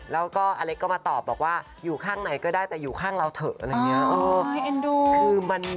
แล้วก็อเล็กมาตอบอยู่ข้างไหนก็ได้แต่อยู่ข้างเราเถอะ